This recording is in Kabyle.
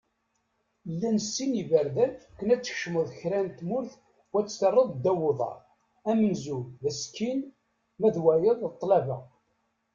Llan sin iberdan akken ad tkecmeḍ kra n tmurt u ad tt-terreḍ ddaw uḍar : amenzu, d asekkin ; ma d wayeḍ, d ṭṭlaba.